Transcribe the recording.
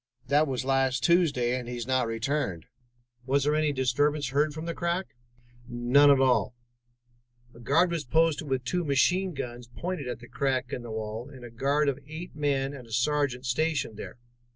That was last Tuesday, and he has not returned." "Was there any disturbance heard from the crack?" "None at all. A guard was posted with two machine guns pointed at the crack in the wall, and a guard of eight men and a sergeant stationed there.